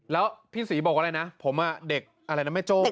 แล้วพี่ศรีบอกว่าอะไรนะผมเด็กอะไรนะแม่โจ้